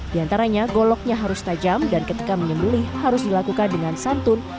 di antaranya goloknya harus tajam dan ketika menyembelih harus dilakukan dengan santun